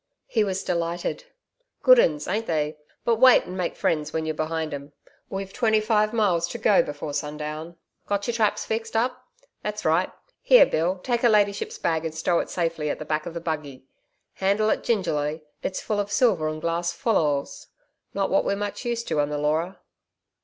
He was delighted. 'Good 'uns, ain't they? But wait and make friends when you're behind 'em. We've twenty five miles to do before sundown. Got your traps fixed up? That's right. Here, Bill, take her ladyship's bag and stow it safely at the back of the buggy. Handle it gingerly it's full of silver and glass fallals not what we're much used to on the Leura.'